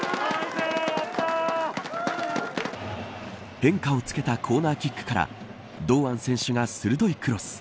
変化をつけたコーナーキックから堂安選手が鋭いクロス。